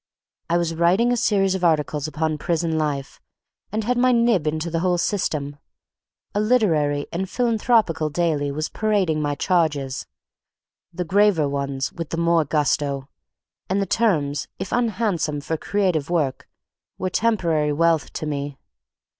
I was writing a series of articles upon prison life, and had my nib into the whole System; a literary and philanthropical daily was parading my "charges," the graver ones with the more gusto; and the terms, if unhandsome for creative work, were temporary wealth to me.